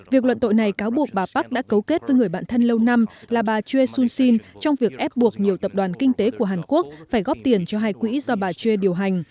việc luận tội này cáo buộc bà park đã cấu kết với người bạn thân lâu năm là bà chuy sunshin trong việc ép buộc nhiều tập đoàn kinh tế của hàn quốc phải góp tiền cho hai quỹ do bà che điều hành